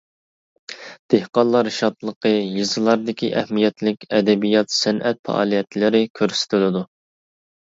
«دېھقانلار شادلىقى» : يېزىلاردىكى ئەھمىيەتلىك ئەدەبىيات-سەنئەت پائالىيەتلىرى كۆرسىتىلىدۇ.